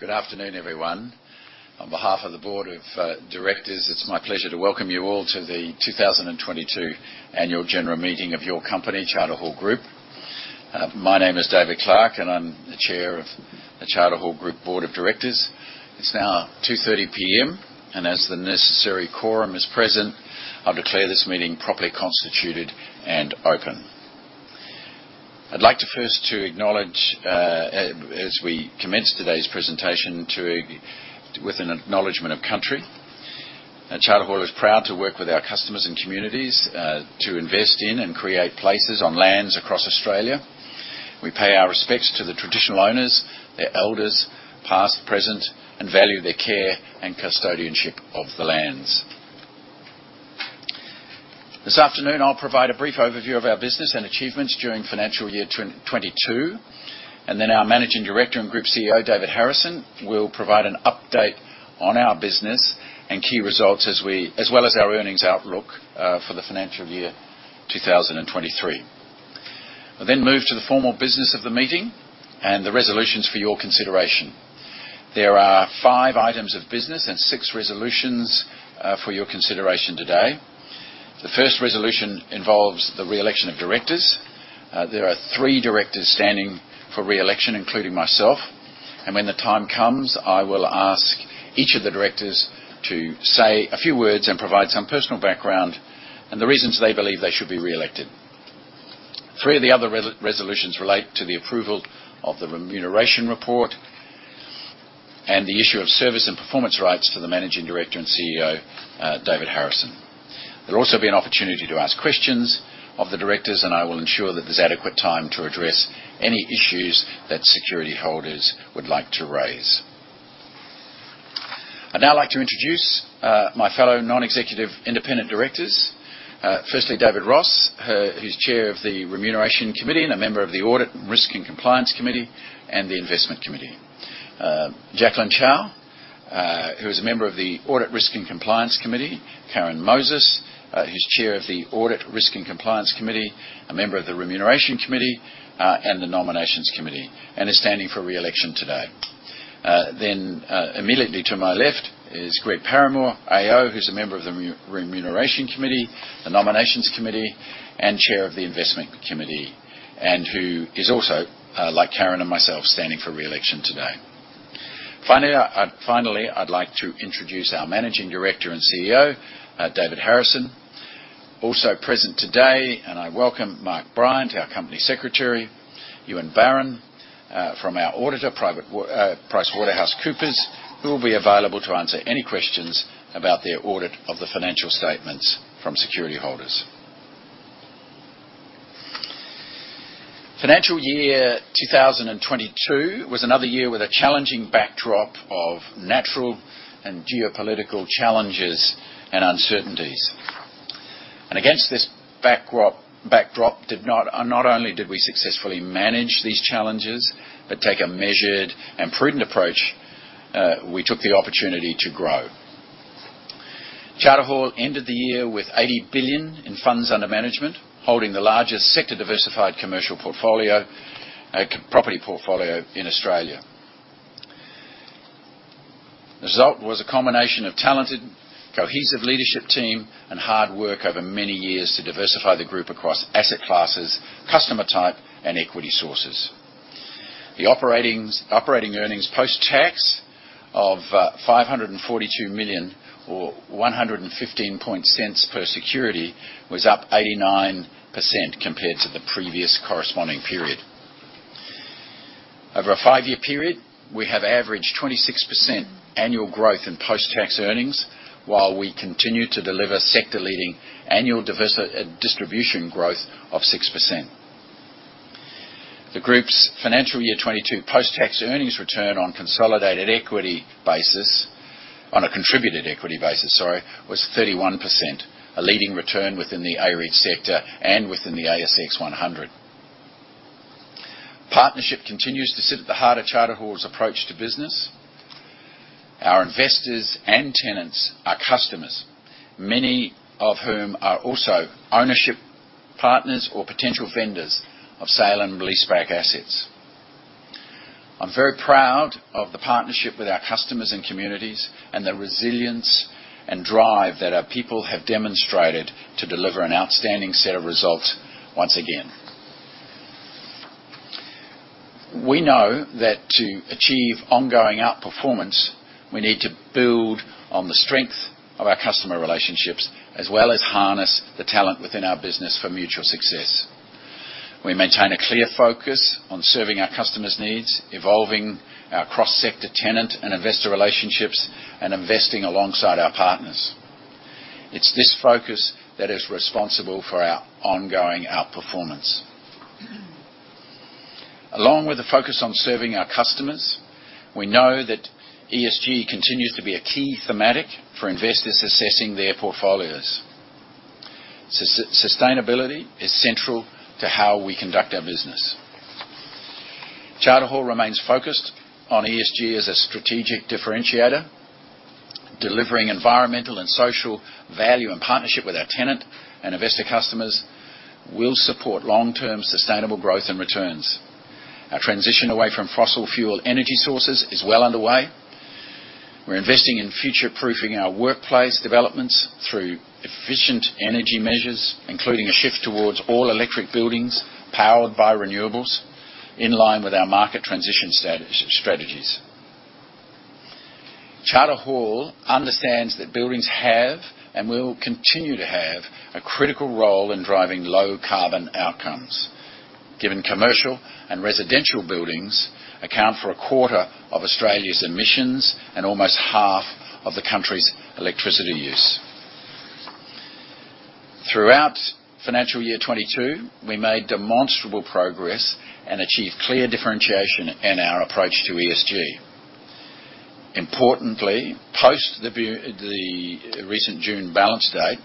Good afternoon, everyone. On behalf of the Board of Directors, it's my pleasure to welcome you all to the 2022 annual general meeting of your company, Charter Hall Group. My name is David Clarke, and I'm the Chair of the Charter Hall Group Board of Directors. It's now 2:30 PM, and as the necessary quorum is present, I declare this meeting properly constituted and open. I'd like to first acknowledge, as we commence today's presentation with an acknowledgement of country. Charter Hall is proud to work with our customers and communities, to invest in and create places on lands across Australia. We pay our respects to the traditional owners, their elders, past, present, and value their care and custodianship of the lands. This afternoon, I'll provide a brief overview of our business and achievements during financial year 2022, and then our Managing Director and Group CEO, David Harrison, will provide an update on our business and key results as well as our earnings outlook for the financial year 2023. We'll then move to the formal business of the meeting and the resolutions for your consideration. There are five items of business and six resolutions for your consideration today. The first resolution involves the re-election of directors. There are three directors standing for re-election, including myself, and when the time comes, I will ask each of the directors to say a few words and provide some personal background and the reasons they believe they should be re-elected. Three of the other resolutions relate to the approval of the remuneration report and the issue of service and performance rights to the Managing Director and CEO, David Harrison. There'll also be an opportunity to ask questions of the directors, and I will ensure that there's adequate time to address any issues that security holders would like to raise. I'd now like to introduce my fellow Non-Executive Independent Directors. Firstly, David Ross, who's chair of the Remuneration Committee and a member of the Audit, Risk, and Compliance Committee and the Investment Committee. Jacqueline Chow, who is a member of the Audit, Risk, and Compliance Committee. Karen Moses, who's chair of the Audit, Risk, and Compliance Committee, a member of the Remuneration Committee, and the Nominations Committee, and is standing for re-election today. Then, immediately to my left is Greg Paramor AO, who's a member of the Remuneration Committee, the Nominations Committee, and chair of the Investment Committee, and who is also, like Karen and myself, standing for re-election today. Finally, I'd like to introduce our Managing Director and CEO, David Harrison. Also present today, and I welcome Mark Bryant, our Company Secretary, Ewan Barron, from our Auditor, PricewaterhouseCoopers, who will be available to answer any questions about their audit of the financial statements from security holders. Financial year 2022 was another year with a challenging backdrop of natural and geopolitical challenges and uncertainties. Against this backdrop, not only did we successfully manage these challenges but take a measured and prudent approach, we took the opportunity to grow. Charter Hall ended the year with 80 billion in funds under management, holding the largest sector-diversified commercial property portfolio in Australia. The result was a combination of talented, cohesive leadership team and hard work over many years to diversify the group across asset classes, customer type, and equity sources. The operating earnings post-tax of 542 million or 115 cents per security was up 89% compared to the previous corresponding period. Over a five-year period, we have averaged 26% annual growth in post-tax earnings while we continue to deliver sector-leading annual distribution growth of 6%. The group's financial year 2022 post-tax earnings return on consolidated equity basis, on a contributed equity basis, sorry, was 31%, a leading return within the AREIT sector and within the ASX 100. Partnership continues to sit at the heart of Charter Hall's approach to business. Our investors and tenants are customers, many of whom are also ownership partners or potential vendors of sale and leaseback assets. I'm very proud of the partnership with our customers and communities and the resilience and drive that our people have demonstrated to deliver an outstanding set of results once again. We know that to achieve ongoing outperformance, we need to build on the strength of our customer relationships, as well as harness the talent within our business for mutual success. We maintain a clear focus on serving our customers' needs, evolving our cross-sector tenant and investor relationships, and investing alongside our partners. It's this focus that is responsible for our ongoing outperformance. Along with the focus on serving our customers, we know that ESG continues to be a key thematic for investors assessing their portfolios. Sustainability is central to how we conduct our business. Charter Hall remains focused on ESG as a strategic differentiator. Delivering environmental and social value in partnership with our tenant and investor customers will support long-term sustainable growth and returns. Our transition away from fossil fuel energy sources is well underway. We're investing in future-proofing our workplace developments through efficient energy measures, including a shift towards all electric buildings powered by renewables in line with our market transition strategies. Charter Hall understands that buildings have and will continue to have a critical role in driving low carbon outcomes, given commercial and residential buildings account for a quarter of Australia's emissions and almost half of the country's electricity use. Throughout financial year 2022, we made demonstrable progress and achieved clear differentiation in our approach to ESG. Importantly, post the recent June balance date,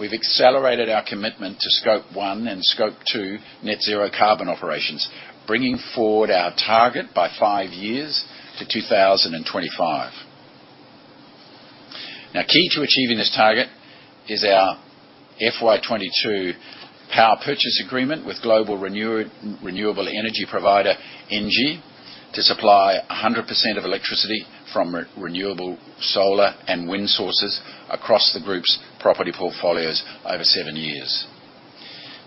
we've accelerated our commitment to Scope 1 and Scope 2 net zero carbon operations, bringing forward our target by five years to 2025. Now key to achieving this target is our FY 2022 power purchase agreement with global renewable energy provider ENGIE to supply 100% of electricity from renewable solar and wind sources across the group's property portfolios over seven years.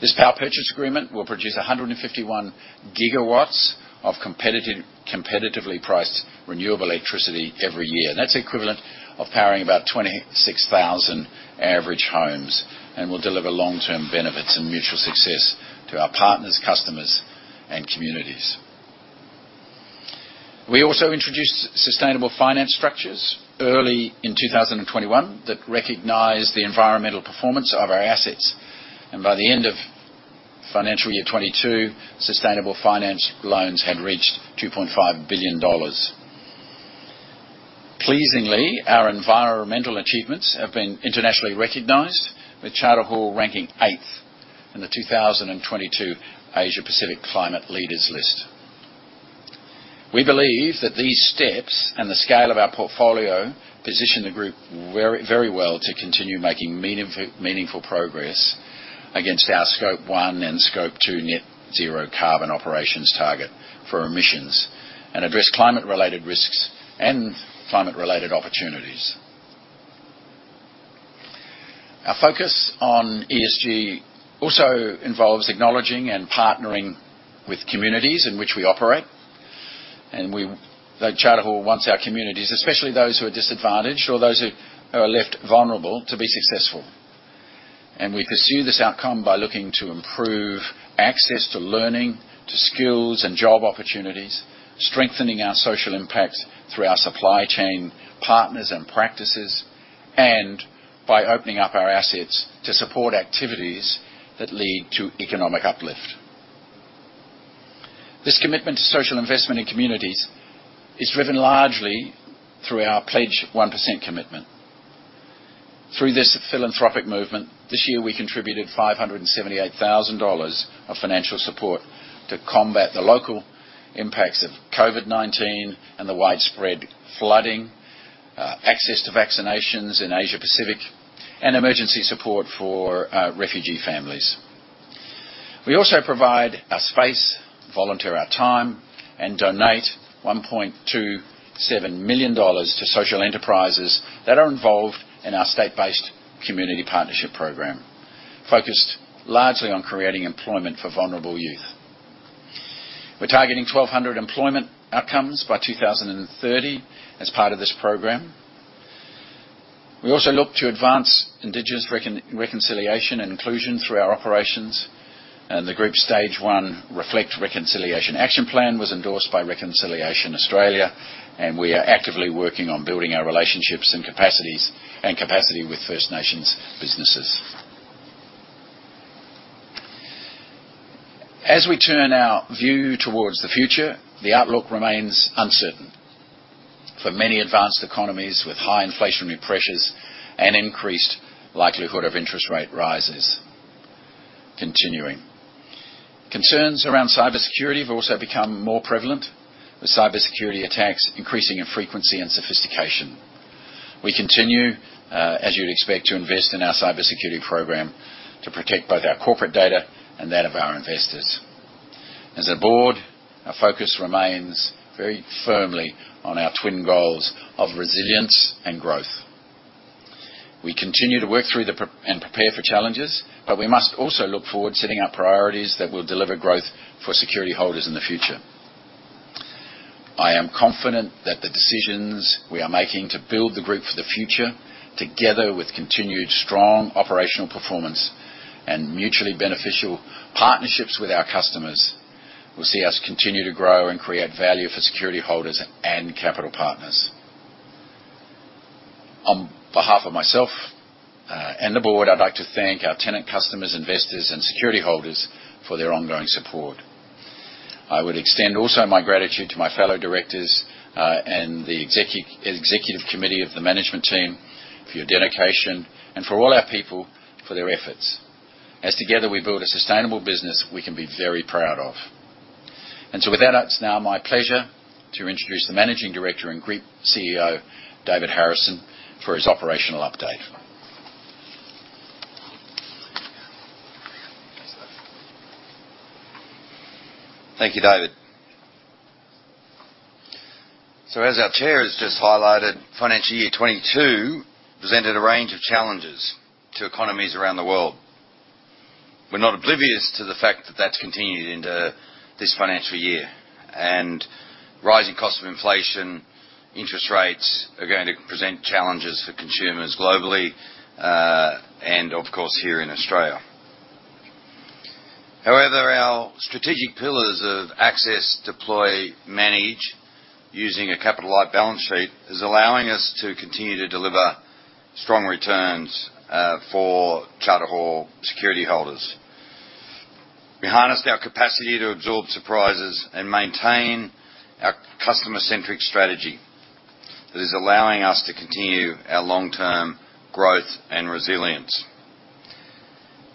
This power purchase agreement will produce 151 GW of competitively priced renewable electricity every year. That's equivalent to powering about 26,000 average homes and will deliver long-term benefits and mutual success to our partners, customers, and communities. We also introduced sustainable finance structures early in 2021 that recognized the environmental performance of our assets. By the end of financial year 2022, sustainable finance loans had reached 2.5 billion dollars. Pleasingly, our environmental achievements have been internationally recognized, with Charter Hall ranking eighth in the 2022 Asia-Pacific Climate Leaders list. We believe that these steps and the scale of our portfolio position the group very, very well to continue making meaningful progress against our Scope 1 and Scope 2 net zero carbon operations target for emissions and address climate-related risks and climate-related opportunities. Our focus on ESG also involves acknowledging and partnering with communities in which we operate. Charter Hall wants our communities, especially those who are disadvantaged or those who are left vulnerable, to be successful. We pursue this outcome by looking to improve access to learning, to skills and job opportunities, strengthening our social impact through our supply chain partners and practices, and by opening up our assets to support activities that lead to economic uplift. This commitment to social investment in communities is driven largely through our Pledge 1% commitment. Through this philanthropic movement, this year, we contributed 578,000 dollars of financial support to combat the local impacts of COVID-19 and the widespread flooding, access to vaccinations in Asia-Pacific, and emergency support for refugee families. We also provide our space, volunteer our time, and donate 1.27 million dollars to social enterprises that are involved in our state-based community partnership program, focused largely on creating employment for vulnerable youth. We're targeting 1,200 employment outcomes by 2030 as part of this program. We also look to advance Indigenous reconciliation and inclusion through our operations. The Group Stage One Reflect Reconciliation Action Plan was endorsed by Reconciliation Australia, and we are actively working on building our relationships and capacities with First Nations businesses. As we turn our view towards the future, the outlook remains uncertain for many advanced economies with high inflationary pressures and increased likelihood of interest rate rises continuing. Concerns around cybersecurity have also become more prevalent, with cybersecurity attacks increasing in frequency and sophistication. We continue, as you'd expect, to invest in our cybersecurity program to protect both our corporate data and that of our investors. As a board, our focus remains very firmly on our twin goals of resilience and growth. We continue to work through and prepare for challenges, but we must also look forward to setting up priorities that will deliver growth for security holders in the future. I am confident that the decisions we are making to build the group for the future, together with continued strong operational performance and mutually beneficial partnerships with our customers, will see us continue to grow and create value for security holders and capital partners. On behalf of myself and the board, I'd like to thank our tenant customers, investors and security holders for their ongoing support. I would extend also my gratitude to my fellow directors, and the Executive Committee of the management team for your dedication and for all our people for their efforts, as together we build a sustainable business we can be very proud of. With that, it's now my pleasure to introduce the Managing Director and Group CEO, David Harrison, for his operational update. Thank you, David. As our Chair has just highlighted, financial year 2022 presented a range of challenges to economies around the world. We're not oblivious to the fact that that's continued into this financial year. Rising cost of inflation, interest rates are going to present challenges for consumers globally, and of course, here in Australia. However, our strategic pillars of access, deploy, manage, using a capital light balance sheet, is allowing us to continue to deliver strong returns for Charter Hall security holders. We harnessed our capacity to absorb surprises and maintain our customer-centric strategy that is allowing us to continue our long-term growth and resilience.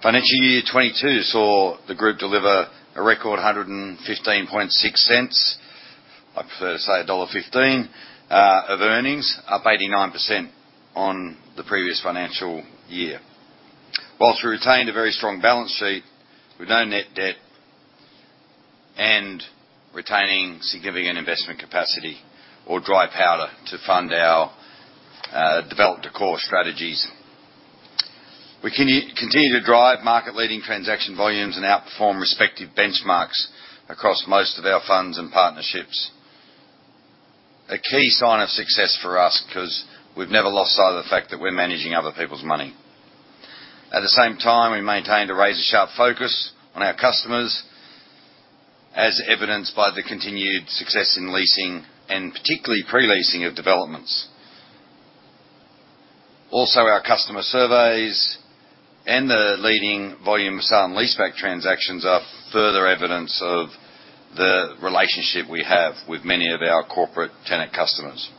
Financial year 2022 saw the group deliver a record 1.156 of earnings, up 89% on the previous financial year. I prefer to say a AUD 1.15. While we retained a very strong balance sheet with no net debt and retaining significant investment capacity or dry powder to fund our develop to core strategies. We continue to drive market-leading transaction volumes and outperform respective benchmarks across most of our funds and partnerships. A key sign of success for us because we've never lost sight of the fact that we're managing other people's money. At the same time, we maintained a razor-sharp focus on our customers, as evidenced by the continued success in leasing and particularly pre-leasing of developments. Also, our customer surveys and the leading volume of sale and leaseback transactions are further evidence of the relationship we have with many of our corporate tenant customers.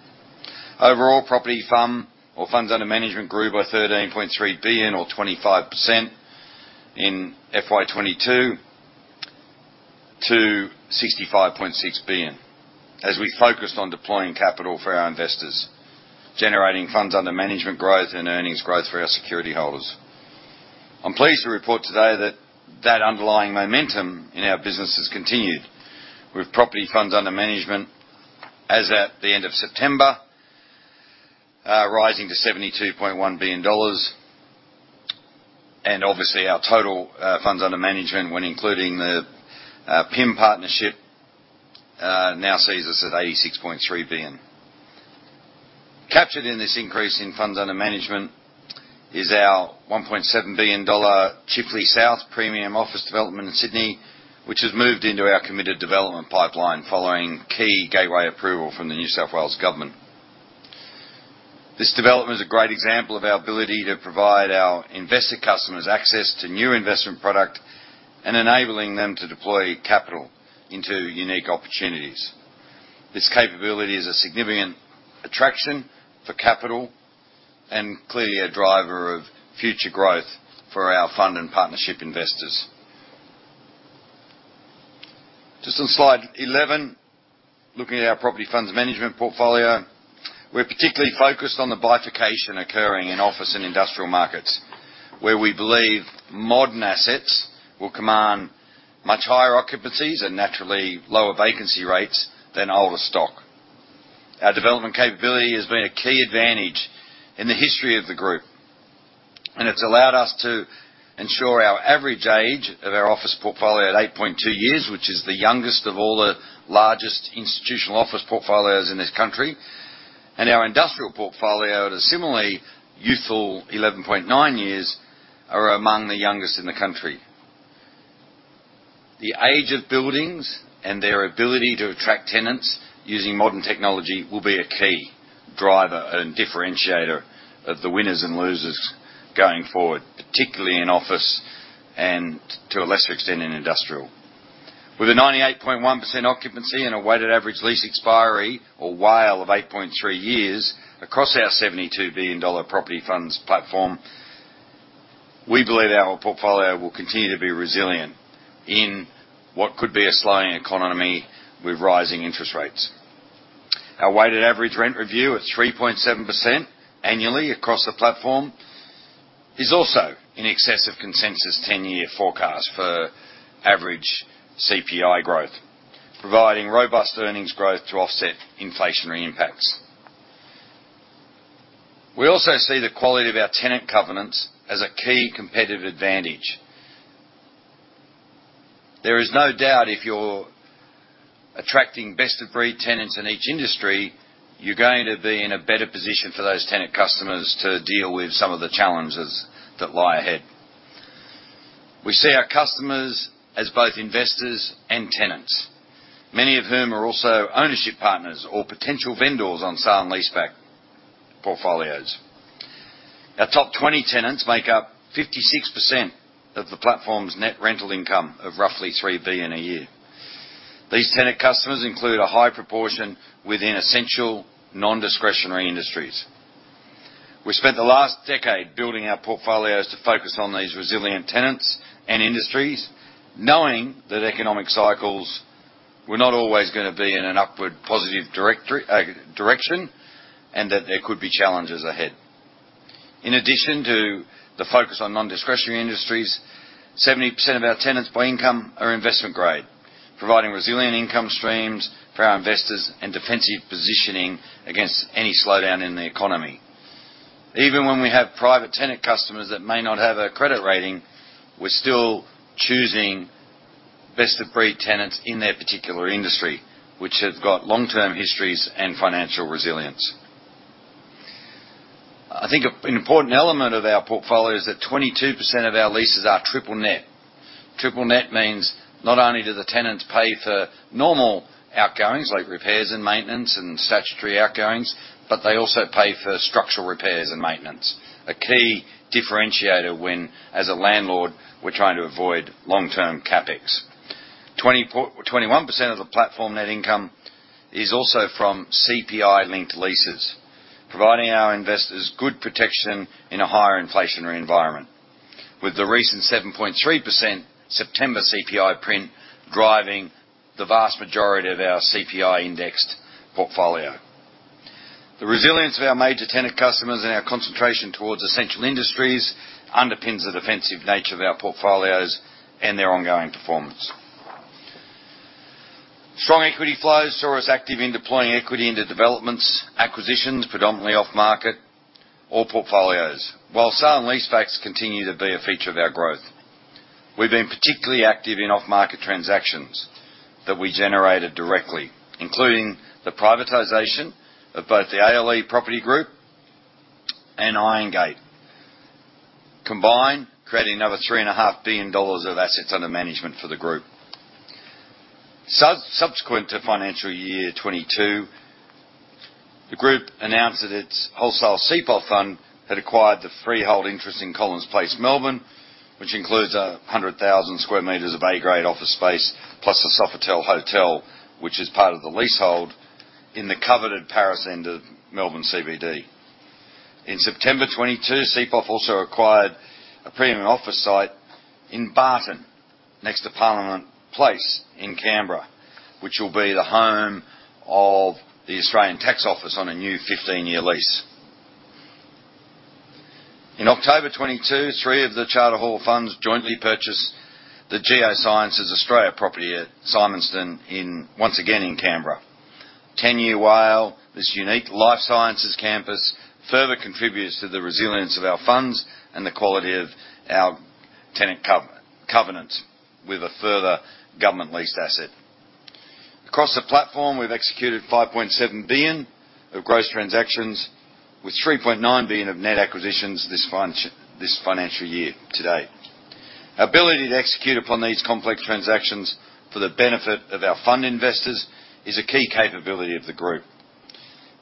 Overall, property FUM or funds under management grew by 13.3 billion or 25% in FY 2022 to 65.6 billion. As we focused on deploying capital for our investors, generating funds under management growth and earnings growth for our security holders. I'm pleased to report today that that underlying momentum in our business has continued with property funds under management as at the end of September, rising to 72.1 billion dollars. Obviously, our total, funds under management, when including the, PIM partnership, now sees us at 86.3 billion. Captured in this increase in funds under management is our 1.7 billion dollar Chifley South premium office development in Sydney, which has moved into our committed development pipeline following key gateway approval from the New South Wales government. This development is a great example of our ability to provide our investor customers access to new investment product and enabling them to deploy capital into unique opportunities. This capability is a significant attraction for capital and clearly a driver of future growth for our fund and partnership investors. Just on slide 11, looking at our property funds management portfolio, we're particularly focused on the bifurcation occurring in office and industrial markets, where we believe modern assets will command much higher occupancies and naturally lower vacancy rates than older stock. Our development capability has been a key advantage in the history of the group, and it's allowed us to ensure our average age of our office portfolio at 8.2 years, which is the youngest of all the largest institutional office portfolios in this country. Our industrial portfolio at a similarly youthful 11.9 years are among the youngest in the country. The age of buildings and their ability to attract tenants using modern technology will be a key driver and differentiator of the winners and losers going forward, particularly in office and to a lesser extent in industrial. With a 98.1% occupancy and a weighted average lease expiry or WALE of 8.3 years across our 72 billion dollar property funds platform, we believe our portfolio will continue to be resilient in what could be a slowing economy with rising interest rates. Our weighted average rent review at 3.7% annually across the platform is also in excess of consensus 10-year forecast for average CPI growth, providing robust earnings growth to offset inflationary impacts. We also see the quality of our tenant covenants as a key competitive advantage. There is no doubt if you're attracting best-of-breed tenants in each industry, you're going to be in a better position for those tenant customers to deal with some of the challenges that lie ahead. We see our customers as both investors and tenants, many of whom are also ownership partners or potential vendors on sale and leaseback portfolios. Our top 20 tenants make up 56% of the platform's net rental income of roughly 3 billion a year. These tenant customers include a high proportion within essential non-discretionary industries. We spent the last decade building our portfolios to focus on these resilient tenants and industries, knowing that economic cycles were not always gonna be in an upward positive direction, and that there could be challenges ahead. In addition to the focus on non-discretionary industries, 70% of our tenants by income are investment grade, providing resilient income streams for our investors and defensive positioning against any slowdown in the economy. Even when we have private tenant customers that may not have a credit rating, we're still choosing best-of-breed tenants in their particular industry, which have got long-term histories and financial resilience. I think an important element of our portfolio is that 22% of our leases are triple net. Triple net means not only do the tenants pay for normal outgoings, like repairs and maintenance and statutory outgoings, but they also pay for structural repairs and maintenance, a key differentiator when, as a landlord, we're trying to avoid long-term CapEx. 21% of the platform net income is also from CPI-linked leases, providing our investors good protection in a higher inflationary environment. With the recent 7.3% September CPI print driving the vast majority of our CPI indexed portfolio. The resilience of our major tenant customers and our concentration towards essential industries underpins the defensive nature of our portfolios and their ongoing performance. Strong equity flows saw us active in deploying equity into developments, acquisitions, predominantly off market, or portfolios, while sale and leasebacks continue to be a feature of our growth. We've been particularly active in off-market transactions that we generated directly, including the privatization of both the ALE Property Group and Irongate Group. Combined, creating another 3.5 billion dollars of assets under management for the group. Subsequent to financial year 2022, the group announced that its wholesale CPOF fund had acquired the freehold interest in Collins Place, Melbourne, which includes 100,000 square meters of A-grade office space, plus a Sofitel hotel, which is part of the leasehold in the coveted Paris End of Melbourne CBD. In September 2022, CPOF also acquired a premium office site in Barton, next to Parliament House in Canberra, which will be the home of the Australian Taxation Office on a new 15-year lease. In October 2022, three of the Charter Hall funds jointly purchased the Geoscience Australia property at Symonston in Canberra. 10-year WALE, this unique life sciences campus further contributes to the resilience of our funds and the quality of our tenant covenants with a further government leased asset. Across the platform, we've executed 5.7 billion of gross transactions with 3.9 billion of net acquisitions this financial year to date. Ability to execute upon these complex transactions for the benefit of our fund investors is a key capability of the group,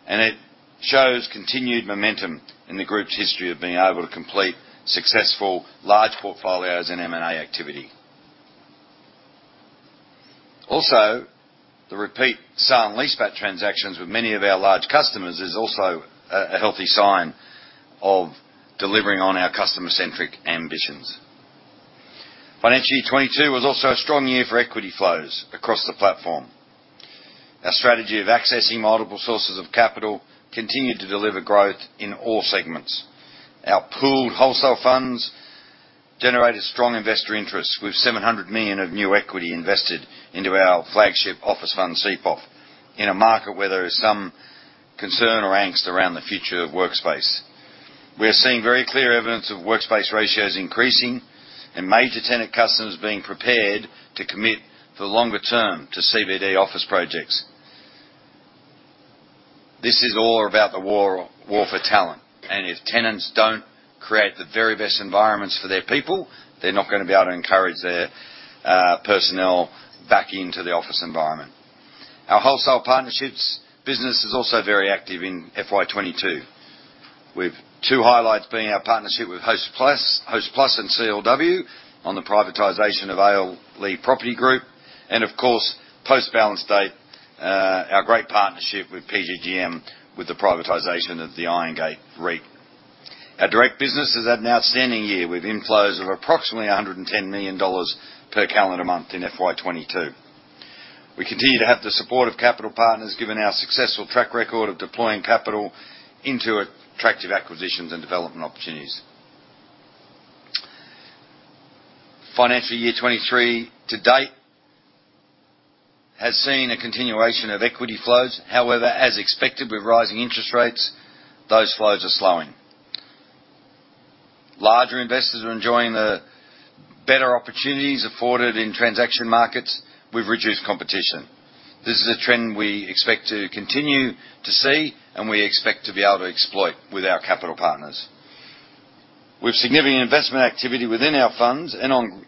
and it shows continued momentum in the group's history of being able to complete successful large portfolios and M&A activity. Also, the repeat sale and leaseback transactions with many of our large customers is also a healthy sign of delivering on our customer-centric ambitions. Financial year 2022 was also a strong year for equity flows across the platform. Our strategy of accessing multiple sources of capital continued to deliver growth in all segments. Our pooled wholesale funds generated strong investor interest, with 700 million of new equity invested into our flagship office fund, CPOF, in a market where there is some concern or angst around the future of workspace. We are seeing very clear evidence of workspace ratios increasing and major tenant customers being prepared to commit for the longer term to CBD office projects. This is all about war for talent, and if tenants don't create the very best environments for their people, they're not gonna be able to encourage their personnel back into the office environment. Our wholesale partnerships business is also very active in FY 2022, with two highlights being our partnership with Hostplus and CLW on the privatization of ALE Property Group, and of course, post-balance date, our great partnership with PGGM with the privatization of the Irongate Group. Our direct business has had an outstanding year, with inflows of approximately 110 million dollars per calendar month in FY 2022. We continue to have the support of capital partners, given our successful track record of deploying capital into attractive acquisitions and development opportunities. Financial year 2023 to date has seen a continuation of equity flows. However, as expected, with rising interest rates, those flows are slowing. Larger investors are enjoying the better opportunities afforded in transaction markets with reduced competition. This is a trend we expect to continue to see, and we expect to be able to exploit with our capital partners. With significant investment activity within our funds and on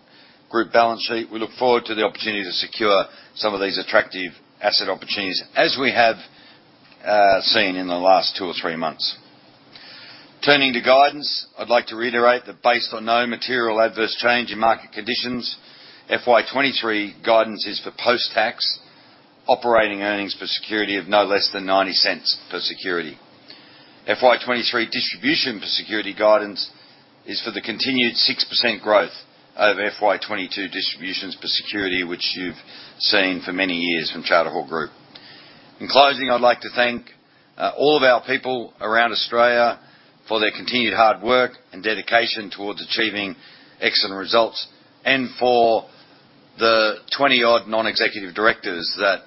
Group balance sheet, we look forward to the opportunity to secure some of these attractive asset opportunities as we have seen in the last two or three months. Turning to guidance, I'd like to reiterate that based on no material adverse change in market conditions, FY 2023 guidance is for post-tax. Operating earnings per security of no less than 0.90 per security. FY 2023 distribution per security guidance is for the continued 6% growth over FY 2022 distributions per security, which you've seen for many years from Charter Hall Group. In closing, I'd like to thank all of our people around Australia for their continued hard work and dedication towards achieving excellent results, and for the 20-odd Non-executive directors that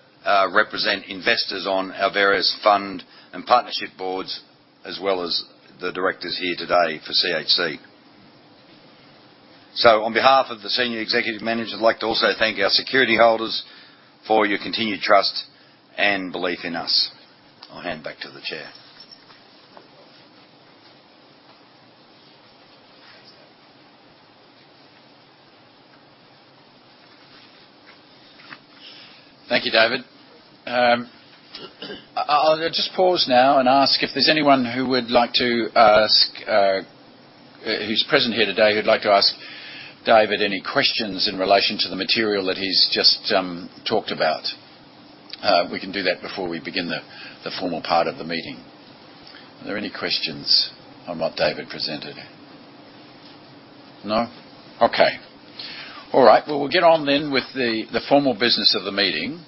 represent investors on our various fund and partnership boards, as well as the Directors here today for CHC. On behalf of the senior Executive Management, I'd like to also thank our security holders for your continued trust and belief in us. I'll hand back to the chair. Thank you, David. I'll just pause now and ask if there's anyone who would like to ask, who's present here today who'd like to ask David any questions in relation to the material that he's just talked about. We can do that before we begin the formal part of the meeting. Are there any questions on what David presented? No? Okay. All right. Well, we'll get on then with the formal business of the meeting.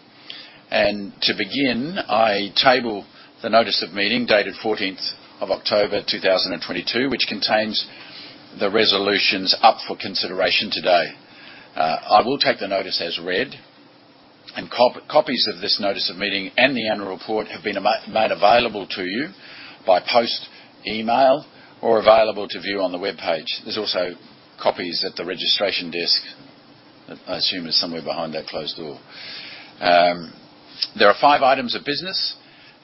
To begin, I table the notice of meeting dated 14 October 2022, which contains the resolutions up for consideration today. I will take the notice as read, and copies of this notice of meeting and the annual report have been made available to you by post, email, or available to view on the webpage. There's also copies at the registration desk. I assume is somewhere behind that closed door. There are five items of business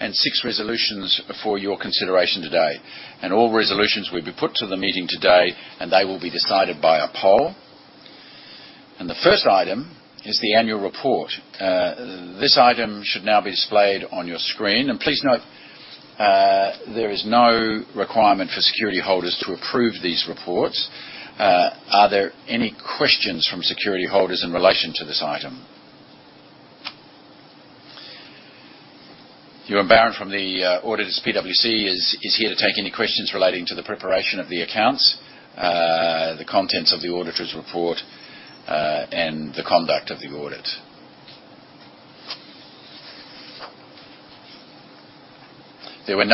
and six resolutions for your consideration today. All resolutions will be put to the meeting today, and they will be decided by a poll. The first item is the annual report. This item should now be displayed on your screen. Please note, there is no requirement for security holders to approve these reports. Are there any questions from security holders in relation to this item? Ewan Barron from the auditors PwC is here to take any questions relating to the preparation of the accounts, the contents of the auditor's report, and the conduct of the audit. There were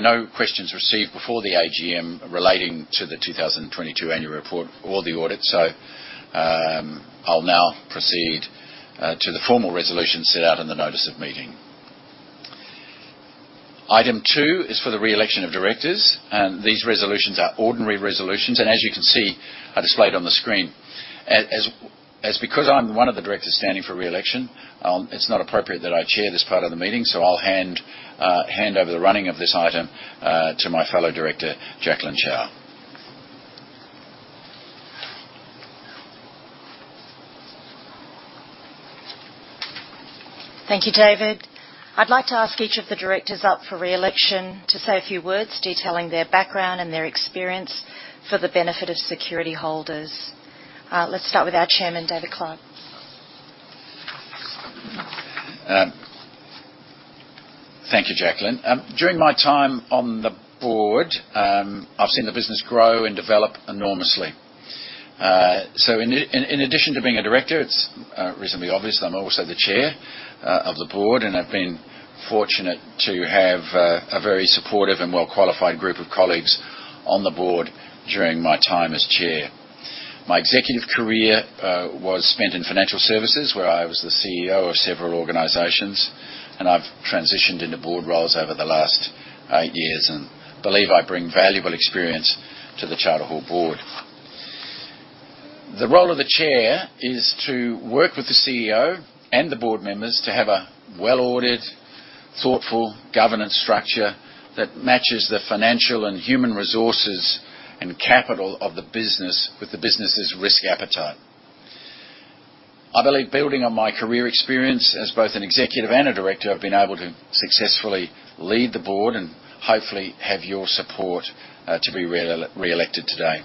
no questions received before the AGM relating to the 2022 annual report or the audit. I'll now proceed to the formal resolution set out in the notice of meeting. Item two is for the re-election of directors, and these resolutions are ordinary resolutions. As you can see, are displayed on the screen. Because I'm one of the directors standing for re-election, it's not appropriate that I chair this part of the meeting, so I'll hand over the running of this item to my fellow director, Jacqueline Chow. Thank you, David. I'd like to ask each of the directors up for re-election to say a few words detailing their background and their experience for the benefit of security holders. Let's start with our Chairman, David Clarke. Thank you, Jacqueline. During my time on the board, I've seen the business grow and develop enormously. In addition to being a director, it's reasonably obvious that I'm also the chair of the board, and I've been fortunate to have a very supportive and well-qualified group of colleagues on the board during my time as chair. My executive career was spent in financial services, where I was the CEO of several organizations, and I've transitioned into board roles over the last eight years and believe I bring valuable experience to the Charter Hall board. The role of the chair is to work with the CEO and the board members to have a well-ordered, thoughtful governance structure that matches the financial and human resources and capital of the business with the business' risk appetite. I believe building on my career experience as both an executive and a director, I've been able to successfully lead the board and hopefully have your support to be re-elected today.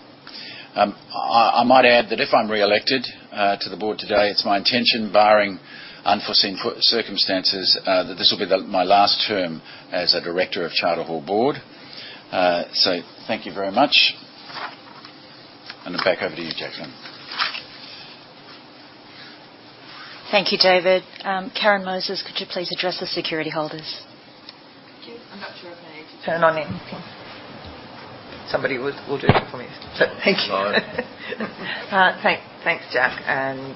I might add that if I'm re-elected to the board today, it's my intention, barring unforeseen circumstances, that this will be my last term as a director of Charter Hall board. Thank you very much. Back over to you, Jacqueline. Thank you, David. Karen Moses, could you please address the security holders? Could you? I'm not sure I've made it. Turn it on then. Somebody will do it for me. Thank you. Sorry. Thanks, Jac, and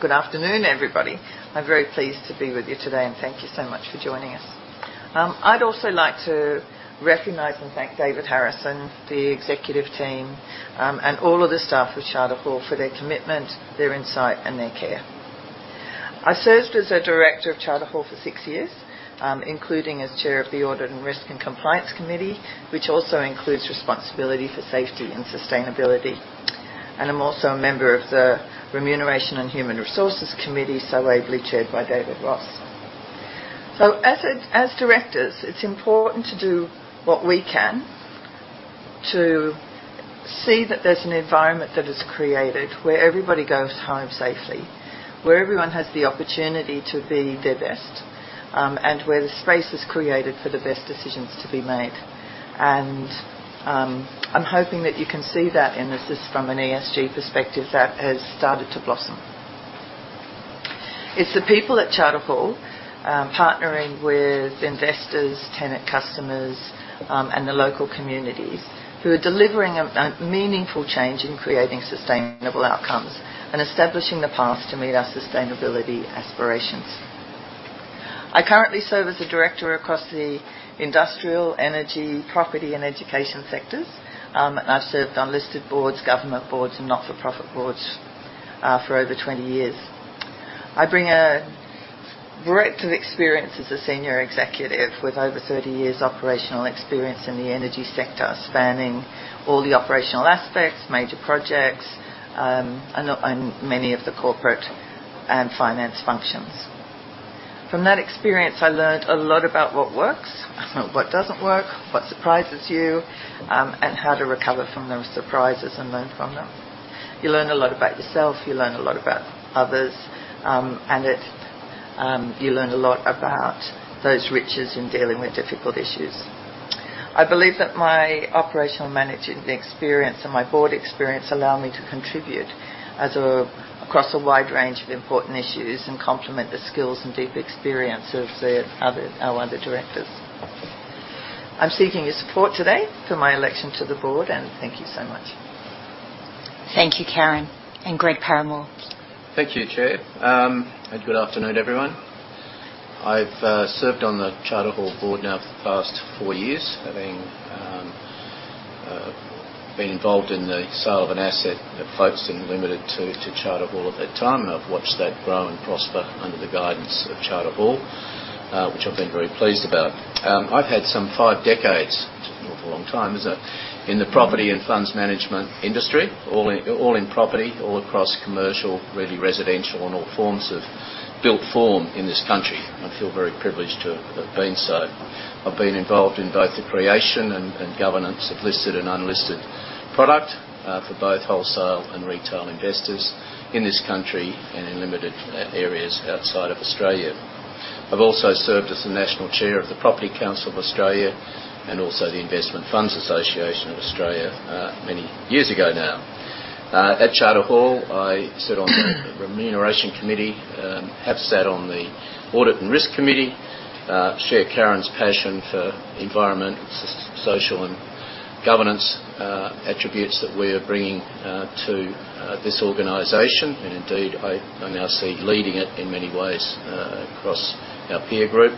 good afternoon, everybody. I'm very pleased to be with you today, and thank you so much for joining us. I'd also like to recognize and thank David Harrison, the executive team, and all of the staff of Charter Hall for their commitment, their insight, and their care. I served as a director of Charter Hall for six years, including as chair of the Audit, Risk, and Compliance Committee, which also includes responsibility for safety and sustainability. I'm also a member of the Remuneration and Human Resources Committee, so ably chaired by David Ross. So as directors, it's important to do what we can to see that there's an environment that is created where everybody goes home safely, where everyone has the opportunity to be their best, and where the space is created for the best decisions to be made. I'm hoping that you can see that emphasis from an ESG perspective that has started to blossom. It's the people at Charter Hall, partnering with investors, tenant customers, and the local communities who are delivering a meaningful change in creating sustainable outcomes and establishing the path to meet our sustainability aspirations. I currently serve as a director across the industrial, energy, property, and education sectors. I've served on listed boards, government boards, and not-for-profit boards for over 20 years. I bring a breadth of experience as a senior executive with over 30 years operational experience in the energy sector, spanning all the operational aspects, major projects, and many of the corporate and finance functions. From that experience, I learned a lot about what works, what doesn't work, what surprises you, and how to recover from those surprises and learn from them. You learn a lot about yourself, you learn a lot about others, you learn a lot about the richness in dealing with difficult issues. I believe that my operational management experience and my board experience allow me to contribute across a wide range of important issues and complement the skills and deep experience of our other directors. I'm seeking your support today for my election to the board, and thank you so much. Thank you, Karen. Greg Paramor. Thank you, Chair. Good afternoon, everyone. I've served on the Charter Hall board now for the past four years, having been involved in the sale of an asset at Folkestone Limited to Charter Hall at that time. I've watched that grow and prosper under the guidance of Charter Hall, which I've been very pleased about. I've had some five decades, which is an awful long time, is it, in the property and funds management industry, all in property, all across commercial, retail, and all forms of built form in this country. I feel very privileged to have been so. I've been involved in both the creation and governance of listed and unlisted product for both wholesale and retail investors in this country and in limited areas outside of Australia. I've also served as the national chair of the Property Council of Australia and the Investment Funds Association of Australia many years ago now. At Charter Hall, I sit on the Remuneration Committee, have sat on the Audit and Risk Committee, share Karen's passion for environment, social, and governance attributes that we are bringing to this organization, and indeed, I now see leading it in many ways across our peer group.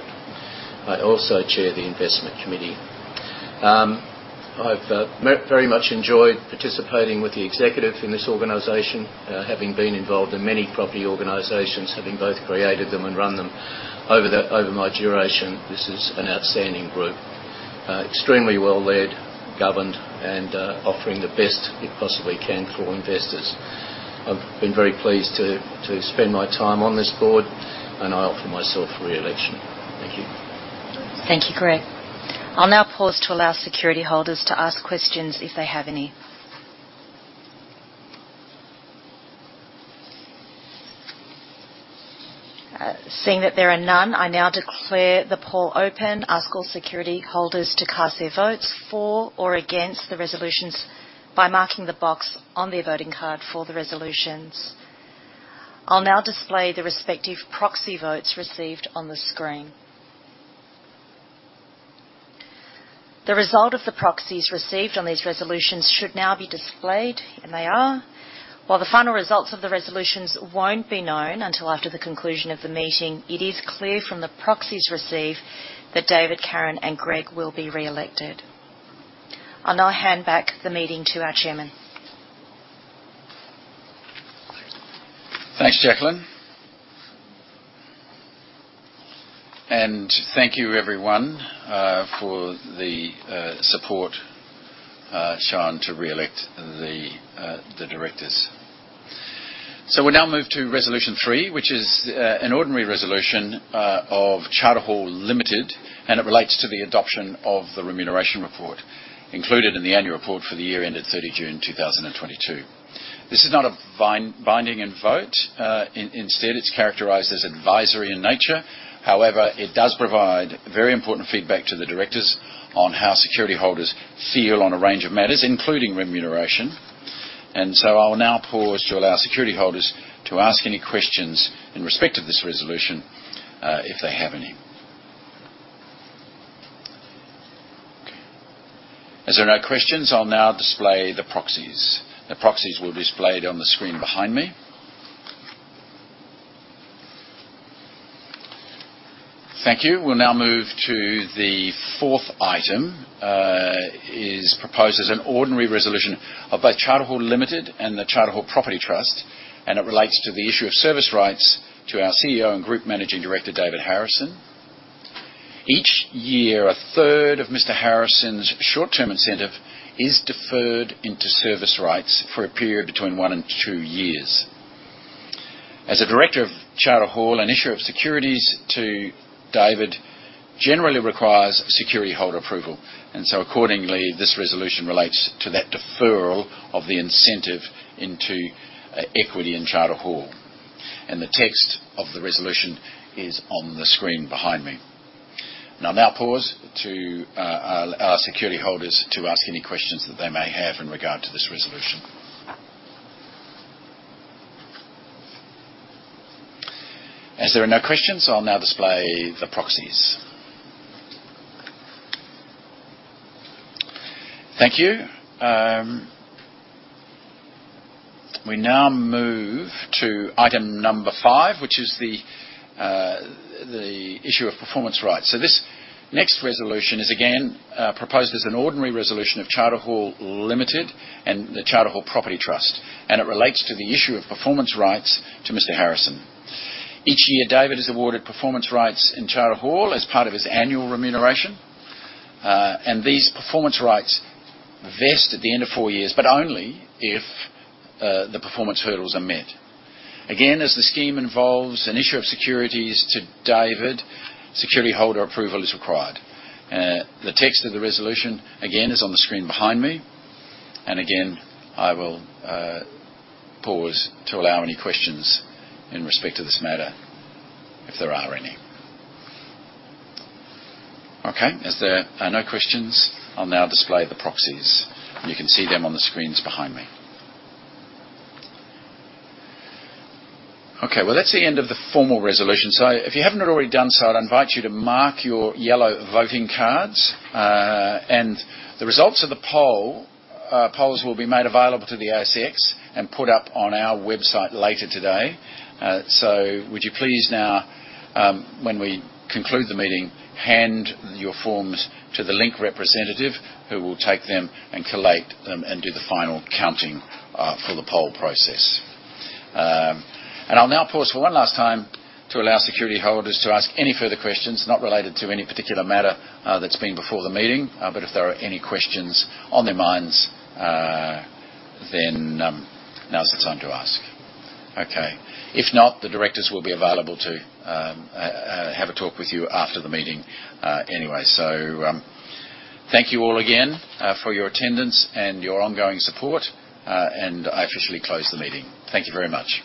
I also chair the Investment Committee. I've very much enjoyed participating with the executive in this organization. Having been involved in many property organizations, having both created them and run them over my duration, this is an outstanding group. Extremely well-led, governed, and offering the best it possibly can for investors. I've been very pleased to spend my time on this board, and I offer myself for re-election. Thank you. Thank you, Greg. I'll now pause to allow security holders to ask questions if they have any. Seeing that there are none, I now declare the poll open. Ask all security holders to cast their votes for or against the resolutions by marking the box on their voting card for the resolutions. I'll now display the respective proxy votes received on the screen. The result of the proxies received on these resolutions should now be displayed, and they are. While the final results of the resolutions won't be known until after the conclusion of the meeting, it is clear from the proxies received that David, Karen, and Greg will be re-elected. I'll now hand back the meeting to our chairman. Thanks, Jacqueline. Thank you, everyone, for the support shown to re-elect the directors. We now move to resolution three, which is an ordinary resolution of Charter Hall Limited, and it relates to the adoption of the remuneration report included in the annual report for the year ended 30 June 2022. This is not a binding vote. Instead, it's characterized as advisory in nature. However, it does provide very important feedback to the directors on how security holders feel on a range of matters, including remuneration. I'll now pause to allow security holders to ask any questions in respect of this resolution, if they have any. Okay. As there are no questions, I'll now display the proxies. The proxies will be displayed on the screen behind me. Thank you. We'll now move to the fourth item, is proposed as an ordinary resolution of both Charter Hall Limited and the Charter Hall Property Trust, and it relates to the issue of service rights to our CEO and Group Managing Director, David Harrison. Each year, a third of Mr. Harrison's short-term incentive is deferred into service rights for a period between one and two years. As a director of Charter Hall, an issuer of securities to David generally requires security holder approval. Accordingly, this resolution relates to that deferral of the incentive into equity in Charter Hall. The text of the resolution is on the screen behind me. I'll now pause to ask security holders to ask any questions that they may have in regard to this resolution. As there are no questions, I'll now display the proxies. Thank you. We now move to item number five, which is the issue of performance rights. This next resolution is again proposed as an ordinary resolution of Charter Hall Limited and the Charter Hall Property Trust, and it relates to the issue of performance rights to Mr. Harrison. Each year, David is awarded performance rights in Charter Hall as part of his annual remuneration. These performance rights vest at the end of four years, but only if the performance hurdles are met. Again, as the scheme involves an issue of securities to David, security holder approval is required. The text of the resolution, again, is on the screen behind me. Again, I will pause to allow any questions in respect to this matter, if there are any. Okay. As there are no questions, I'll now display the proxies, and you can see them on the screens behind me. Okay. Well, that's the end of the formal resolution. If you haven't already done so, I'd invite you to mark your yellow voting cards. The results of the polls will be made available to the ASX and put up on our website later today. Would you please now, when we conclude the meeting, hand your forms to the Link representative who will take them and collate them and do the final counting for the poll process. I'll now pause for one last time to allow security holders to ask any further questions not related to any particular matter that's been before the meeting. If there are any questions on their minds, then now is the time to ask. Okay. If not, the directors will be available to have a talk with you after the meeting, anyway. Thank you all again for your attendance and your ongoing support. I officially close the meeting. Thank you very much.